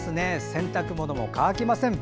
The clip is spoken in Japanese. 洗濯物も乾きません。